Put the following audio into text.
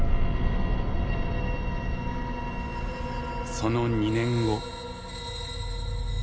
その２年後。